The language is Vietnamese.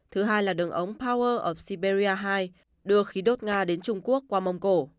thứ hai là đường ống power ở siberia hai đưa khí đốt nga đến trung quốc qua mông cổ